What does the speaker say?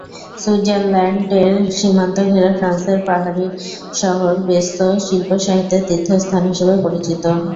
সুইজারল্যান্ডের সীমান্ত ঘেরা ফ্রান্সের পাহাড়ি শহর বেজসোঁ শিল্প-সাহিত্যের তীর্থ স্থান হিসেবে পরিচিত।